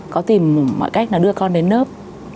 có tìm mọi cách là đưa con đến lớp